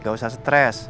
gak usah stres